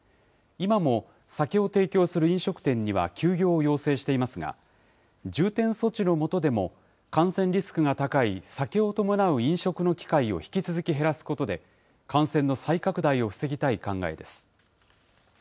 今も酒を提供する飲食店には休業を要請していますが、重点措置の下でも感染リスクが高い酒を伴う飲食の機会を引き続き減らすことで、感染の再拡大を防ぎたい考えです。